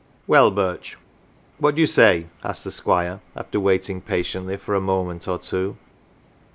" Well, Birch, what do you say ?" asked the Squire, after waiting patiently for a moment or two.